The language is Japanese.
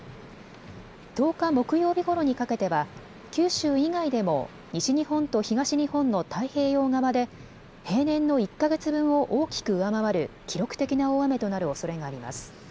１０日、木曜日ごろにかけては九州以外でも西日本と東日本の太平洋側で平年の１か月分を大きく上回る記録的な大雨となるおそれがあります。